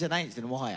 もはや。